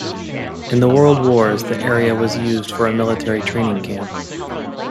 In the World Wars the area was used for a military training camp.